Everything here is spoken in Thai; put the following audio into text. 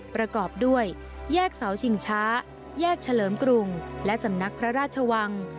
ประกอบด้วยแยกเสาชิงช้าแยกเฉลิมกรุงและสำนักพระราชวัง